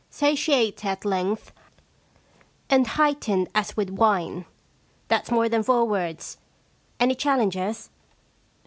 Satiate at length, and heightened as with wine." That's more than four words. Any challengers